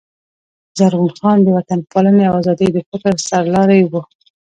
زرغون خان د وطن پالني او آزادۍ د فکر سر لاری وو.